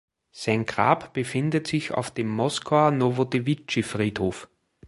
Sein Grab befindet sich auf dem Moskauer Nowodewitschi-Friedhof.